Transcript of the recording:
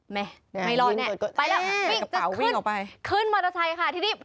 แม่ไม่รอดแน่ไปแล้ววิ่งจะขึ้นขึ้นมอเตอร์ไซค์ค่ะทีนี้